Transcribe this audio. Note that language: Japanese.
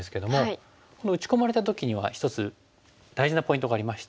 この打ち込まれた時には一つ大事なポイントがありまして。